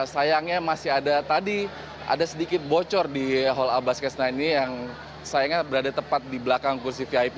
sayangnya masih ada tadi ada sedikit bocor di hall a basketsna ini yang sayangnya berada tepat di belakang kursi vip